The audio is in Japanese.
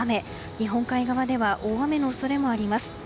日本海側では大雨の恐れもあります。